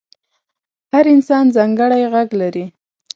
هر انسان ځانګړی غږ لري.